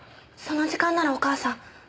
その時間ならお母さん